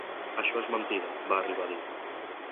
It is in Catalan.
Això és mentida, va arribar a dir.